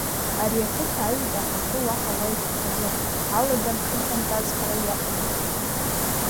Ари ақыҭа аҩада ахахьы уаҳа уаҩ дынхаӡом, алада амшын ҟьантаз хара иаҟәыгоуп.